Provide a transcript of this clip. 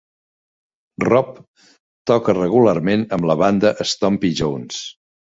Rob toca regularment amb la banda Stompy Jones.